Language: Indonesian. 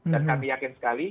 dan kami yakin sekali